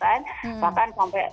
bahkan sampai terjadi berpengalaman